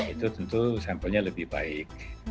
itu tentu sampelnya lebih baik